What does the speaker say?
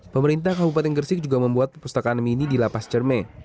pemerintah kabupaten gresik juga membuat perpustakaan mini di lapas cermai